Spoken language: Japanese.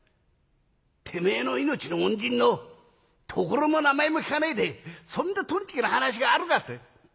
てめえの命の恩人の所も名前も聞かねえでそんなトンチキな話があるかって！